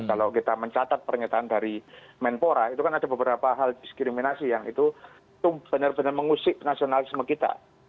kalau kita mencatat pernyataan dari menpora itu kan ada beberapa hal diskriminasi yang itu benar benar mengusik nasionalisme kita